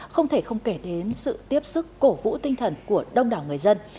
không thể không kể đến sự tiếp sức cổ vũ tinh thần của đông đảo người dân